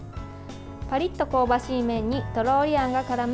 パリッと香ばしい麺にとろーりあんがからむ